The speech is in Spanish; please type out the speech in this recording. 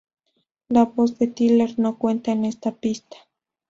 La voz de Tyler no cuentan en esta pista.